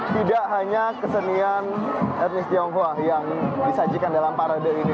tidak hanya kesenian etnis tionghoa yang disajikan dalam parade ini